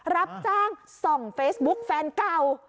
รับจ้างส่องเฟซบุ๊กแฟนเก่า